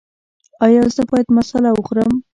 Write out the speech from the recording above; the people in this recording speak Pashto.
ایا زه باید مساله وخورم؟